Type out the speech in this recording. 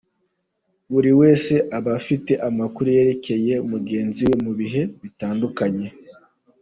Buri wese aba afite amakuru yerekeye mugenzi we mu bihe bitandukanye.